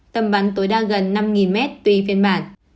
tầm bắn tối đa gần năm mét tùy phiên bản